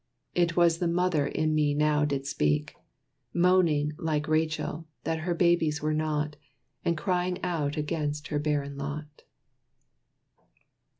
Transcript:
It was the mother in me now did speak, Moaning, like Rachel, that her babes were not, And crying out against her barren lot.